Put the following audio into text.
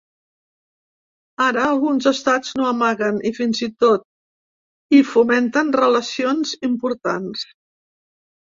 Ara, alguns estats no amaguen i fins i tot hi fomenten relacions importants.